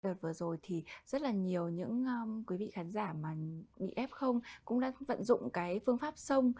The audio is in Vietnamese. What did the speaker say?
đợt vừa rồi thì rất là nhiều những quý vị khán giả mà bị f cũng đã vận dụng cái phương pháp sông